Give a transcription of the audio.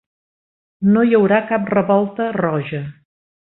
No hi haurà cap revolta roja!